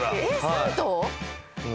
３頭？